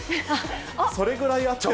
それぐらいあっても。